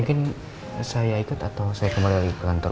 mungkin saya ikut atau saya kembali lagi ke kantor